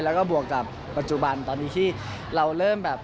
แล้วก็บวกกับปัจจุบันตอนนี้ที่เราเริ่มแบบ